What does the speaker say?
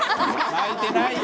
巻いてないよ。